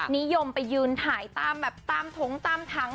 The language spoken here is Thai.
นิยมไปยืนถ่ายตามตรงตามถัง